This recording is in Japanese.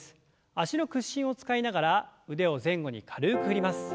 脚の屈伸を使いながら腕を前後に軽く振ります。